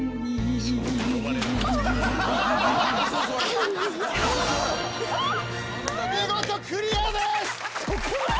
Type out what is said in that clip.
おなす見事クリアです！